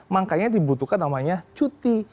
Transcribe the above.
makanya dibutuhkan namanya cuti